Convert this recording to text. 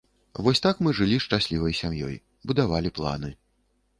Вось так мы жылі шчаслівай сям'ёй, будавалі планы.